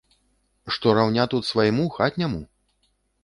Што раўня тут свайму, хатняму?!